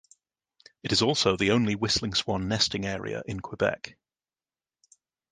It is also the only whistling swan nesting area in Quebec.